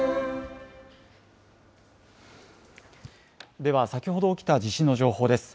では、先ほど起きた地震の情報です。